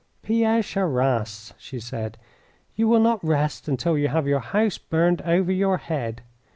"Pierre Charras," she said, "you will not rest until you have your house burned over your head.